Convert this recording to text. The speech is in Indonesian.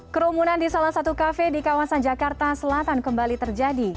kerumunan di salah satu kafe di kawasan jakarta selatan kembali terjadi